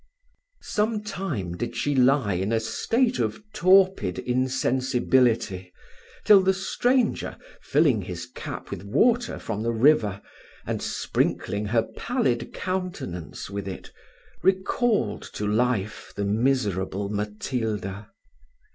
Some time did she lie in a state of torpid insensibility, till the stranger, filling his cap with water from the river, and sprinkling her pallid countenance with it, recalled to life the miserable Matilda.